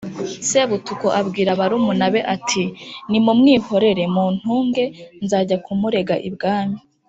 Sebutuku abwira barumunabe ati: “Nimumwihorere muntunge nzajya kumurega ibwami.”